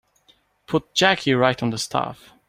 Put Jackie right on the staff.